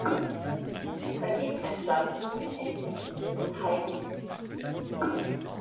Dagegen entstanden durch die Initiative des hl.